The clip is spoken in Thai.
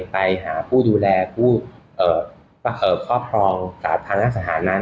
ไปหาผู้ดูแลผ่าขอบพรองกับทางน้ำสหารนั้น